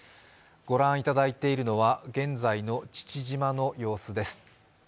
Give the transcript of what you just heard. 御覧いただいているのは現在の父島の様子です。